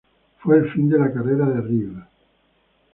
Fue el fin de la carrera de Reeve.